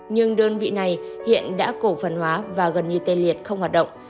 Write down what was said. nhưng đơn vị này hiện đã cổ phần hóa và gần như tê liệt không hoạt động